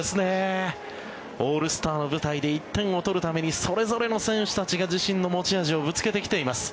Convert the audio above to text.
オールスターの舞台で１点を取るためにそれぞれの選手たちが自身の持ち味をぶつけてきています。